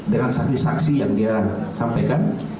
dengan saksi saksi yang dia sampaikan